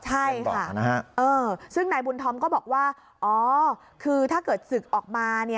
ใช่ค่ะซึ่งนายบุญธอมก็บอกว่าอ๋อคือถ้าเกิดศึกออกมา